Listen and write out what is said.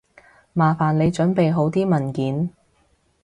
麻煩你準備好啲文件